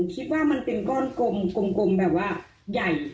คิดว่ามันเป็นก้อนกลมแบบว่าใหญ่